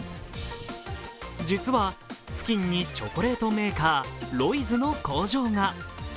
実は、付近にチョコレートメーカーロイズの工場が。